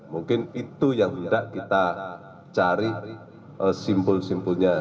mungkin itu yang hendak kita cari simbol simpolnya